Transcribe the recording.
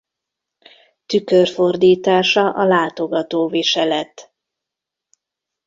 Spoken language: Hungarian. Tükörfordítása a látogató viselet.